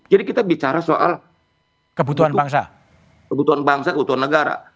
kita bicara soal kebutuhan bangsa kebutuhan negara